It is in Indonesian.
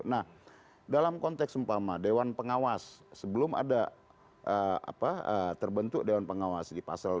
nah dalam konteks umpama dewan pengawas sebelum ada apa terbentuk dewan pengawas di pasal